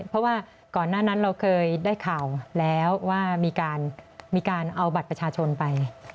เพราะว่าก่อนหน้านั้นเราเคยได้ข่าวแล้วว่ามีการเอาบัตรประชาชนไป